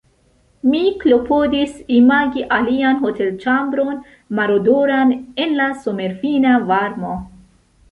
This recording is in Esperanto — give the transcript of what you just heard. Mi klopodis imagi alian hotelĉambron, marodoran, en la somerfina varmo.